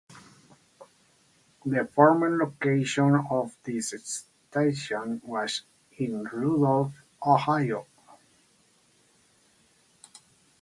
The former location of this station was in Rudolph, Ohio.